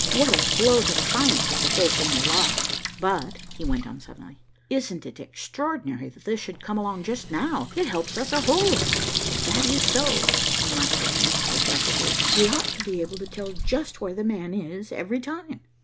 What a blow to science, if the whole thing were lost." "But," he went on suddenly, "isn't it extraordinary that this should come along just now? It helps us a whole lot." "That is so," remarked Dorothy reflectively. "We ought to be able to tell just where 'the man' is every time."